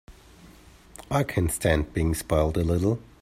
I can stand being spoiled a little.